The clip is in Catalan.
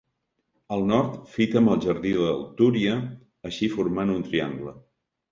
Al nord fita amb el Jardí del Túria, així formant un triangle.